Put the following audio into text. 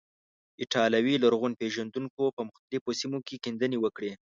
ایټالوي لرغون پیژندونکو په مختلفو سیمو کې کیندنې وکړې.